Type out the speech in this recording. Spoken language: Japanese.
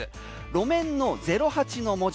路面の０８の文字。